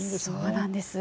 そうなんです。